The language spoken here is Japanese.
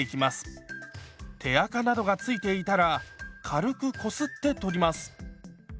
手あかなどが付いていたら軽くこすって取ります。